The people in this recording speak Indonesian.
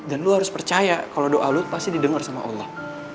dan lo harus percaya kalo doa lo pasti didengar sama allah